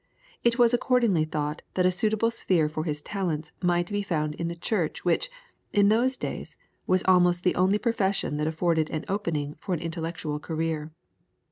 It was accordingly thought that a suitable sphere for his talents might be found in the Church which, in those days, was almost the only profession that afforded an opening for an intellectual career.